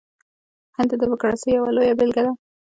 هند د ډیموکراسۍ یوه لویه بیلګه ده.